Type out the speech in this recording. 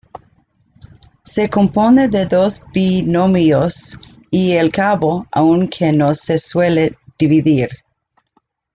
Se compone de dos binomios y el Cabo, aunque no se suele dividir.